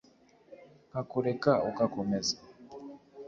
Nkakureka ugakomeza